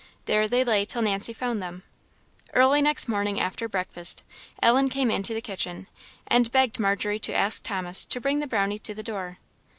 There they lay till Nancy found them. Early next morning, after breakfast, Ellen came into the kitchen, and begged Margery to ask Thomas to bring the Brownie to the door.